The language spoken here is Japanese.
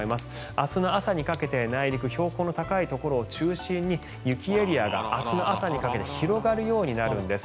明日の朝にかけて内陸、標高の高いところを中心に雪エリアが明日の朝にかけて広がるようになるんです。